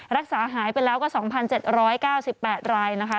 รักษาหายไปแล้วก็๒๗๙๘รายนะคะ